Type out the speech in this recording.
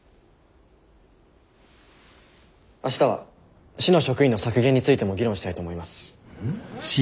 明日は市の職員の削減についても議論したいと思います。